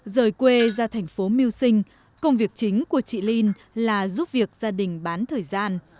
rời quê ra thành phố miêu sinh công việc chính của chị linh là giúp việc gia đình bán thời gian